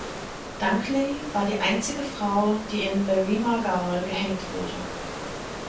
Dunkley war die einzige Frau, die in Berrima Gaol gehängt wurde.